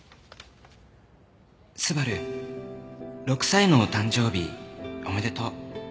「昴６歳のお誕生日おめでとう」